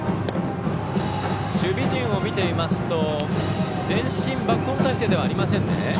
守備陣を見ていますと前進バックホーム態勢ではありませんね。